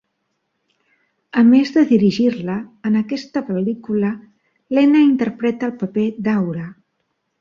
A més de dirigir-la, en aquesta pel·lícula Lena interpreta el paper d'Aura.